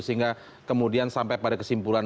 sehingga kemudian sampai pada kesimpulan